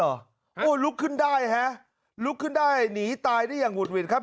โอ้โหลุกขึ้นได้ฮะลุกขึ้นได้หนีตายได้อย่างหุดหวิดครับ